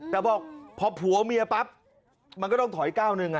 แต่บอกพอผัวเมียปั๊บมันก็ต้องถอยก้าวหนึ่ง